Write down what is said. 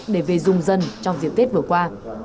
để về dùng dân trong diễn tiết vừa qua